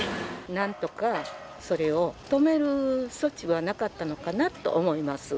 なんとかそれを止める措置はなかったのかなと思いますわ。